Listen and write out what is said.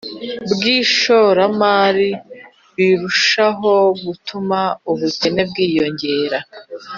mu ishoramari birushaho gutuma ubukene bwiyongera.